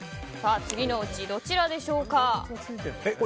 次のうちどちらでしょうか？